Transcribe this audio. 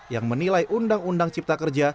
yang menilai undang undang cipta kerja